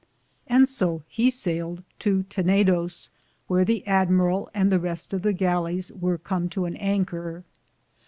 And so he sailed to Tenedose, wheare the Amberall and the reste of the gallis weare come to an Anker.